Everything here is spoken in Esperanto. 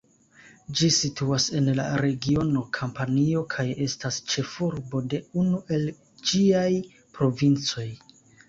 Ĝi situas en la regiono Kampanio kaj estas ĉefurbo de unu el ĝiaj provincoj.